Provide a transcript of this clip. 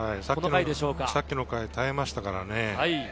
さっきの回、耐えましたからね。